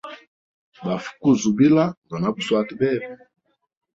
Bafʼukuzibila, ndona buswata bebe.